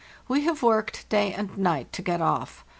We have worked day and night to get off.